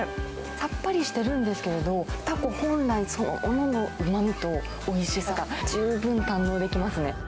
さっぱりしてるんですけれど、タコ本来のそのもののうまみと、おいしさが十分堪能できますね。